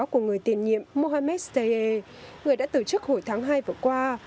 và người tiền nhiệm mohammed steyeh người đã từ chức hồi tháng hai vừa qua